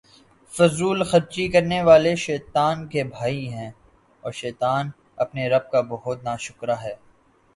فضول خرچی کرنے والے شیطان کے بھائی ہیں، اور شیطان اپنے رب کا بہت ناشکرا ہے